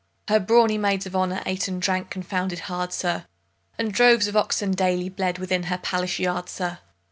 Her brawny maids of honour ate and drank confounded hard, sir, And droves of oxen daily bled within her palace yard, sir!